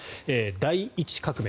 第１革命。